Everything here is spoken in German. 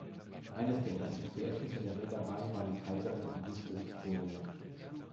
Eines der ersten Fährschiffe der Reederei war die "Kaiserin Auguste Victoria".